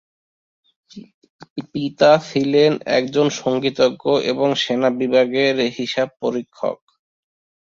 পিতা ছিলেন একজন সঙ্গীতজ্ঞ এবং সেনা বিভাগের হিসাব পরীক্ষক।